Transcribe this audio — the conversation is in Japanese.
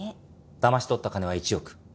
だまし取った金は１億。